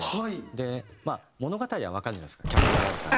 まあ物語はわかるじゃないですか脚本があるから。